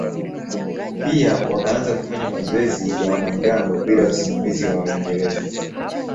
Pia wakaanza kufanya mazoezi ya wanamgambo bila usimamizi wa Waingereza.